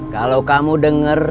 kalau kamu denger